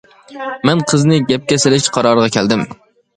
مەن قىزنى گەپكە سېلىش قارارىغا كەلدىم.